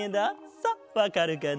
さあわかるかな？